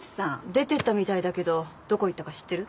出てったみたいだけどどこ行ったか知ってる？